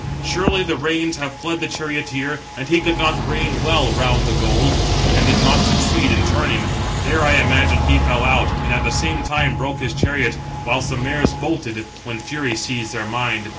Surely the reins have fled the charioteer, and he could not rein well round the goal, and did not succeed in turning. There I imagine he fell out, and at the same time broke his chariot, whilst they (the mares) bolted, when fury seized their mind.